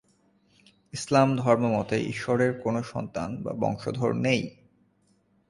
ইসলাম ধর্মমতে ঈশ্বরের কোন সন্তান বা বংশধর নেই।